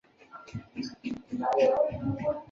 我不敢跨过